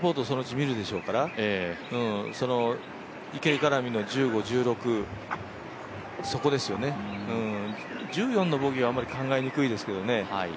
そのうち見るでしょうから、池絡みの１５、１６そこですよね、１４のボギーはあまり考えにくいですけどね。